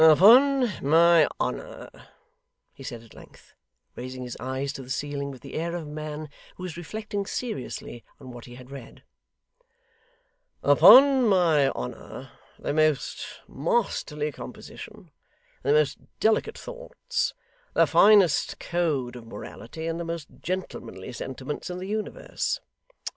'Upon my honour,' he said, at length raising his eyes to the ceiling with the air of a man who was reflecting seriously on what he had read; 'upon my honour, the most masterly composition, the most delicate thoughts, the finest code of morality, and the most gentlemanly sentiments in the universe!